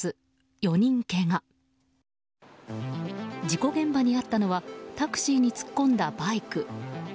事故現場にあったのはタクシーに突っ込んだバイク。